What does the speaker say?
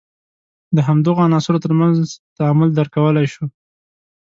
د همدغو عناصر تر منځ تعامل درک کولای شو.